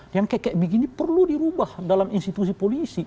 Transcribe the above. yang seperti ini perlu dirubah dalam institusi polisi